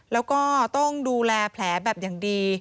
แล้วก็ต้องดูแลแผลแบบอย่างดี